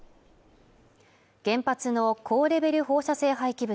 原発の高レベル放射性廃棄物